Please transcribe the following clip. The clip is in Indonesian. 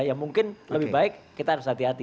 ya mungkin lebih baik kita harus hati hati